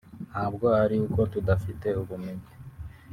ntabwo ari uko tudafite ubumenyi